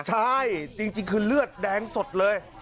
ใช่จริงคือเลือดแดงสดเลย